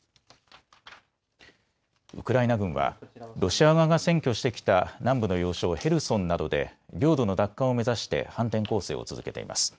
ウクライナ軍はロシア側が占拠してきた南部の要衝ヘルソンなどで領土の奪還を目指して反転攻勢を続けています。